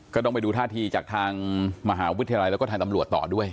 ก็ต้องไปดูท่าทีจากทางมหาวิทยาลัยแล้วก็ทางตำรวจต่อด้วย